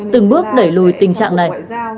từng bước đẩy lùi tình trạng này